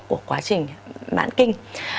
của quá trình mãn kinh